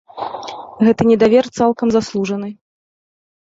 Гэты недавер цалкам заслужаны.